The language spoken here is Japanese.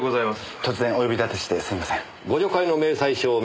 突然お呼び立てしてすみません。